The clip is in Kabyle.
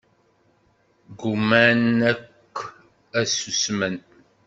Gguman akk ad ssusmen.